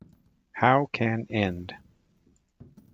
How can end?